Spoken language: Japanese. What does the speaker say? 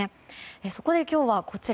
そこで今日は、こちら。